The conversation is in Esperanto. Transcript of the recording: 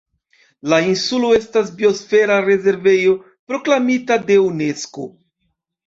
La insulo estas Biosfera rezervejo proklamita de Unesko.